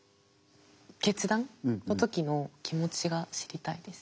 決断の時の気持ちが知りたいです。